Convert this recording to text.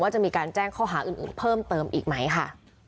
จะมีการแจ้งข้อหาอื่นเพิ่มเติมอีกไหมค่ะ